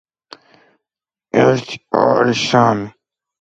ტოლობის ნიშანი ისმევა ორ ტოლ მხარეს შუაში, მაგალითად, როგორც განტოლებაში.